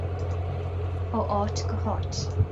Ó áit go háit.